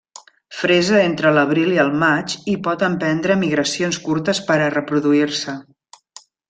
Fresa entre l'abril i el maig i pot emprendre migracions curtes per a reproduir-se.